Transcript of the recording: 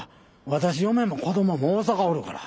私嫁も子どもも大阪おるから。